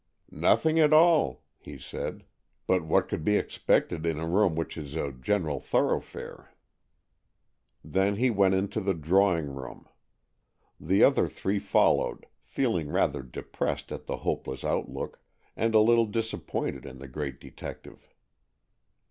"Nothing at all," he said; "but what could be expected in a room which is a general thoroughfare?" Then he went into the drawing room. The other three followed, feeling rather depressed at the hopeless outlook, and a little disappointed in the great detective.